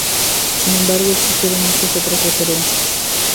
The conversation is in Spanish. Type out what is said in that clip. Sin embargo, existieron muchas otras referencias.